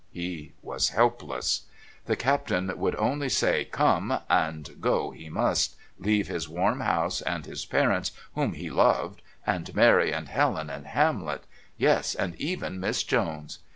He was helpless. The Captain would only say "Come," and go he must, leave his warm house and his parents whom he loved and Mary and Helen and Hamlet, yes, and even Miss Jones.